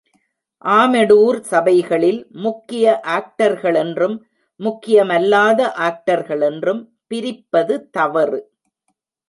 ஆமெடூர் சபைகளில், முக்கிய ஆக்டர்களென்றும் முக்கியமல்லாத ஆக்டர்களென்றும் பிரிப்பது தவறு.